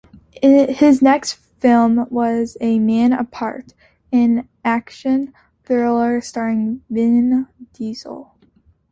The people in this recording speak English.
His next film was "A Man Apart", an action thriller starring Vin Diesel.